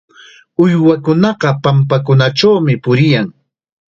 Uywakunaqa pampakunachawmi puriyan.